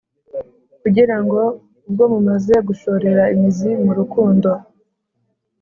kugira ngo ubwo mumaze gushorera imizi mu rukundo